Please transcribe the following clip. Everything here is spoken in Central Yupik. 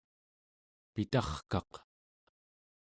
pitarkaq